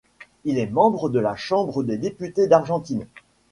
Il est membre de la Chambre des députés d'Argentine.